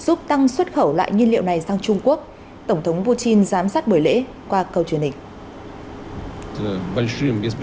giúp tăng xuất khẩu loại nhiên liệu này sang trung quốc tổng thống putin giám sát buổi lễ qua cầu truyền hình